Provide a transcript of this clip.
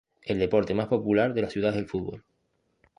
El deporte más popular de la ciudad es el fútbol.